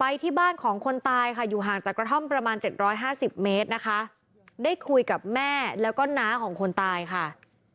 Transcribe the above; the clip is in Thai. ไปที่บ้านของคนตายค่ะอยู่ห่างจากกระท่อมประมาณ๗๕๐เมตรนะคะได้คุยกับแม่แล้วก็น้าของคนตายค่ะ